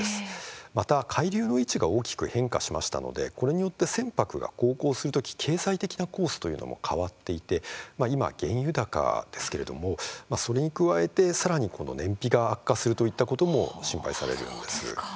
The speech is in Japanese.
また、海流の位置が大きく変化しましたのでこれによって船舶が航行するとき経済的なコースというのも変わっていて今、原油高ですけれどもそれに加えて、さらに燃費が悪化するといったことも心配されるんです。